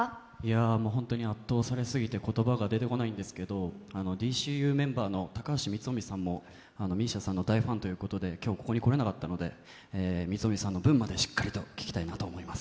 もうホントに圧倒されすぎて言葉が出てこないんですけど、「ＤＣＵ」メンバーの高橋さんもＭＩＳＩＡさんの大ファンということで今日ここに来られなかったので光臣さんの分までしっかり聴きたいと思います。